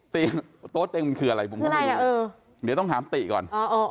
ติต็อสเต็งมันคืออะไรคืออะไรเดี๋ยวต้องทามติก่อน